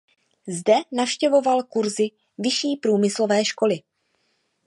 Zde navštěvoval kursy vyšší průmyslové školy.